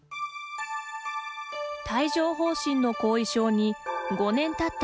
帯状ほう疹の後遺症に５年たった